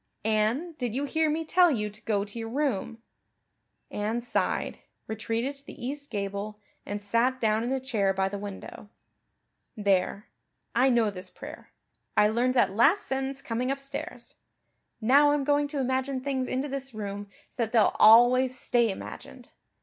"Anne, did you hear me tell you to go to your room?" Anne sighed, retreated to the east gable, and sat down in a chair by the window. "There I know this prayer. I learned that last sentence coming upstairs. Now I'm going to imagine things into this room so that they'll always stay imagined.